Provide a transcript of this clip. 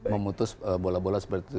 memutus bola bola seperti itu